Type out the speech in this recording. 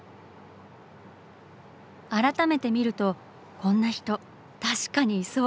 改めて見るとこんな人確かにいそう。